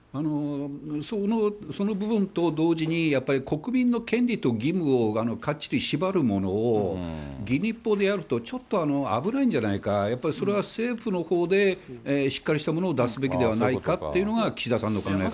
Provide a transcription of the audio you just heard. その部分と同時に、やっぱり国民の権利と義務をかっちり縛るものを、議員立法でやると、ちょっと危ないんじゃないか、やっぱりそれは政府のほうでしっかりしたものを出すべきではないかっていうのが岸田さんの考え方